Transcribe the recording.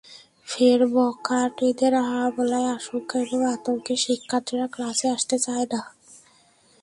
ফের বখাটেদের হামলার আশঙ্কা এবং আতঙ্কে শিক্ষার্থীরা ক্লাসে আসতে চায় না।